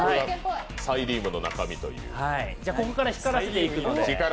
ここから光らせていくので。